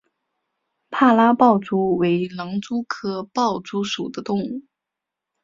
帕拉豹蛛为狼蛛科豹蛛属的动物。